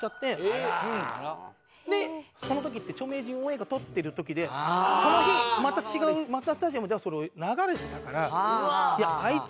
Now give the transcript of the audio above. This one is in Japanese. でその時って著名人応援歌を録ってる時でその日また違うマツダスタジアムではそれ流れてたから。